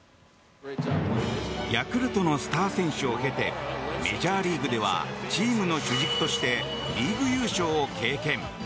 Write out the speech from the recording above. ヤクルトのスター選手を経てメジャーリーグではチームの主軸としてリーグ優勝を経験。